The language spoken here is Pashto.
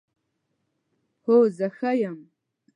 هو، زه ښه یم